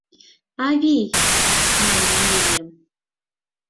«Авий!» манын мияльым.